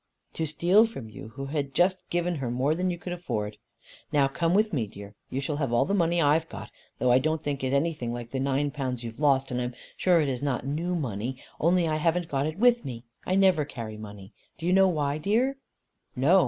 "To steal from you who had just given her more than you could afford! Now come with me, dear, you shall have all the money I have got; though I don't think it's anything like the nine pounds you have lost, and I'm sure it is not new money. Only I haven't got it with me. I never carry money. Do you know why, dear?" "No.